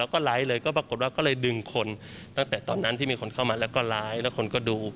แล้วก็ไลฟ์เลยก็ปรากฏว่าก็เลยดึงคนตั้งแต่ตอนนั้นที่มีคนเข้ามาแล้วก็ไลฟ์แล้วคนก็ดู